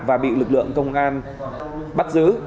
và bị lực lượng công an bắt giữ